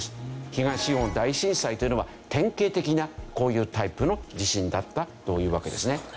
東日本大震災というのは典型的なこういうタイプの地震だったというわけですね。